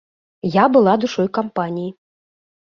Я была душой кампаніі.